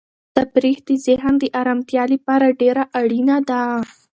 تفریح د ذهن د ارامتیا لپاره ډېره اړینه ده.